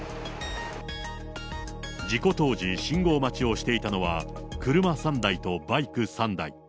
事故当時、信号待ちをしていたのは車３台とバイク３台。